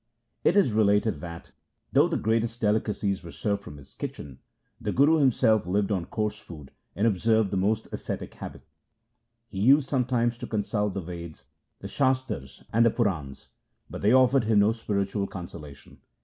It is related that, though the greatest delicacies were served from his kitchen, the Guru himself lived on coarse food, and observed the most ascetic habits. He used sometimes to consult the Veds, the Shastars, and the Purans, but they offered him no spiritual consolation.